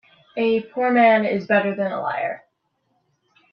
A poor man is better than a liar.